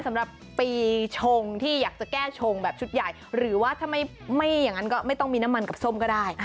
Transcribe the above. สำหรับปีชงที่อยากจะแก้ชงแบบชุดใหญ่หรือว่าถ้าไม่อย่างนั้นก็ไม่ต้องมีน้ำมันกับส้มก็ได้